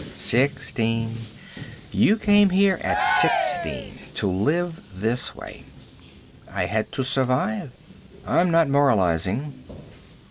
Sixteen. You came here at sixteen. To live this way." "I had to survive." "I'm not moralizing."